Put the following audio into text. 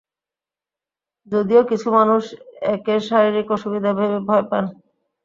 যদিও, কিছু মানুষ একে শারীরিক অসুবিধা ভেবে ভয় পান।